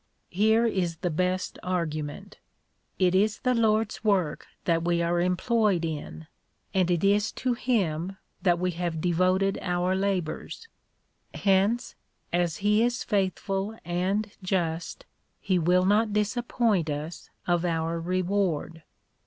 Here is the best argument. It is the Lord's work that we are employed in, and it is to him that we have devoted our labours : hence, as he is faithful and just, he will not disappoint us of our reward.